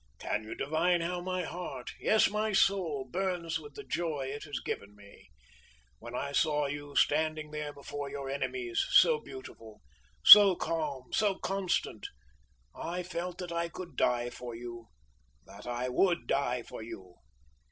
Can you divine how my heart yes, my soul burns with the joy it has given me? When I saw you standing there before your enemies so beautiful! so calm! so constant I felt that I could die for you that I would die for you.